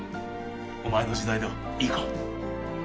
お前の時代だ。いいか。